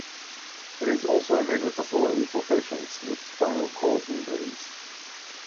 It is also a major facility for patients with spinal cord injuries.